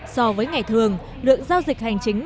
so với ngày thường lượng giao dịch hành chính